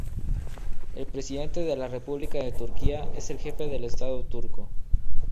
El Presidente de la República de Turquía es el Jefe del Estado turco.